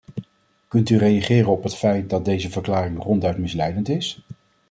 Kunt u reageren op het feit dat deze verklaring ronduit misleidend is?